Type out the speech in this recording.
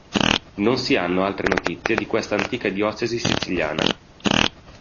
Non si hanno altre notizie di questa antica diocesi siciliana.